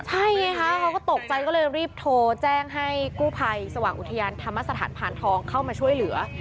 ใช่ไงคะเขาก็ตกใจก็เลยรีบโทรแจ้งให้กู้ภัยสว่างอุทยานธรรมสถานผ่านทองเข้ามาช่วยเหลือ